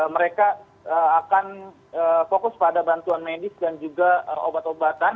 mereka akan fokus pada bantuan medis dan juga obat obatan